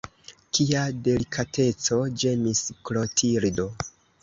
Kia delikateco, ĝemis Klotildo.